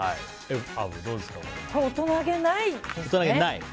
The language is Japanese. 大人げないですね。